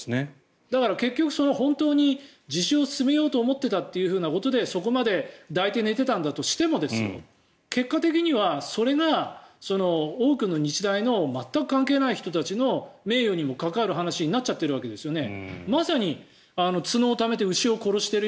だから、結局、本当に自首を勧めようと思ってたということでそこまで抱いて寝ていたんだとしても結果的にはそれが多くの日大の全く関係ない人たちの名誉にも関わる話になっちゃってるわけですよね。